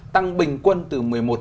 tăng bình quân từ một mươi một năm